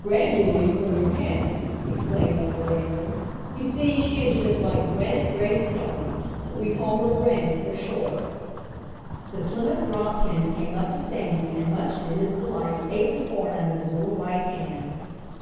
"Granny will eat from your hand," exclaimed Uncle Daniel, "You see, she is just like granite gray stone, but we call her Granny for short." The Plymouth Rock hen came up to Sandy, and much to his delight ate the corn out of his little white hand.